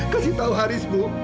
kasih tau haris bu